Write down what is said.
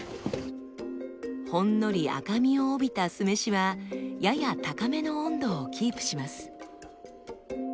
ほんのり赤みを帯びた酢飯はやや高めの温度をキープします。